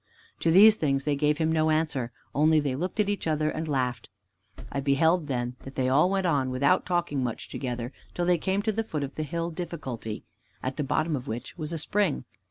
To these things they gave him no answer, only they looked at each other and laughed. I beheld then, that they all went on without talking much together, till they came to the foot of the hill Difficulty, at the bottom of which was a spring.